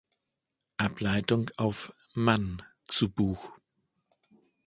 Ableitung auf "-mann" zu Buch.